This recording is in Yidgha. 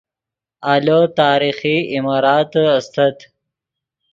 آلو تاریخی عماراتے استت